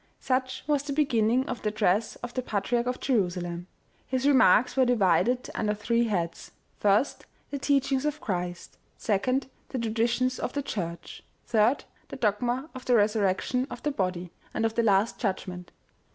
Such was the beginning of the address of the patriarch of Jerusalem. His remarks were divided under three heads : First, the teachings of Christ ; second, the tradi tions of the Church ; third, the dogma of the resurrection of the body, and of the last judgment.